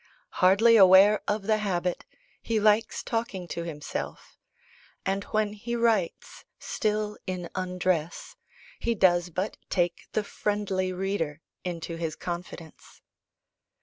Hardly aware of the habit, he likes talking to himself; and when he writes (still in undress) he does but take the "friendly reader" into his confidence.